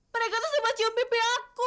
mereka terus coba cium pipi aku